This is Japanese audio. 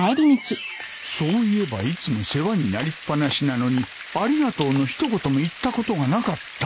そういえばいつも世話になりっ放しなのにありがとうの一言も言ったことがなかった